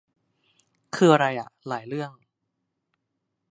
คืออะไรอ่ะ หลายเรื่อง